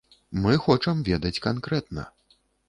Мы хочам ведаць канкрэтна.